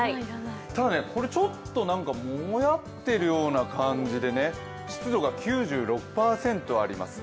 ただ、ちょっともやってるような感じで、湿度が９６％あります。